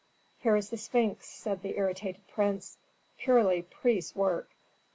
"Here is the Sphinx," said the irritated prince, "purely priests' work!